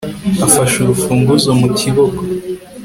Afashe urufunguzo mu kiboko